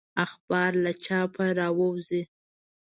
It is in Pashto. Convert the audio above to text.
اخبار له چاپه راووزي.